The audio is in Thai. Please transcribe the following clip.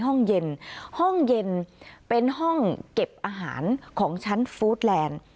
ห้องเย็นห้องเย็นเป็นห้องเก็บอาหารของชั้นฟู้ดแลนด์